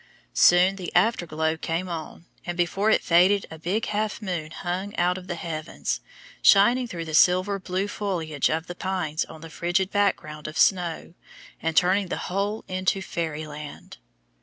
Soon the afterglow came on, and before it faded a big half moon hung out of the heavens, shining through the silver blue foliage of the pines on the frigid background of snow, and turning the whole into fairyland.